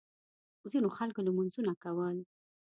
ځینو خلکو لمونځونه کول.